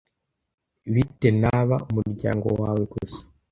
bite naba umuryango wawe gusa